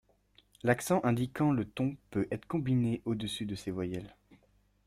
L’accent indiquant le ton peut être combiné au-dessus de ces voyelles.